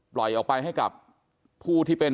ปล่อยออกไปให้กับผู้ที่เป็น